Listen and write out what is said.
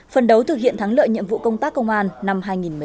phần đấu thực hiện thắng lợi nhiệm vụ công tác công an năm hai nghìn một mươi năm